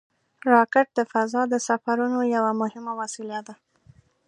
راکټ د فضا د سفرونو یوه مهمه وسیله ده